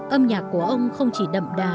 âm nhạc của ông không chỉ đậm đà